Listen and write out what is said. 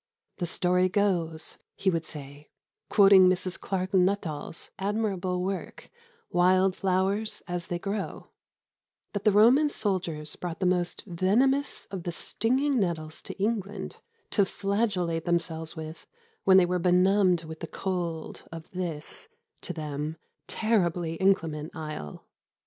"The story goes," he would say, quoting Mrs. Clark Nuttall's admirable work, Wild Flowers as They Grow, "that the Roman soldiers brought the most venomous of the stinging nettles to England to flagellate themselves with when they were benumbed with the cold of this to them terribly inclement isle.